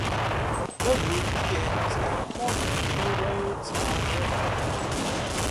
The route begins at Morgan Hill Road south of Ethel.